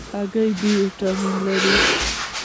هګۍ د B ویټامینونه لري.